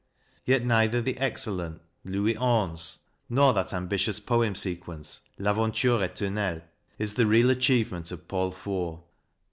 Yet neither the excellent " Louis XI " nor that ambitious poem sequence, " 1'Aventure Eternelle," is the real achievement of Paul Fort.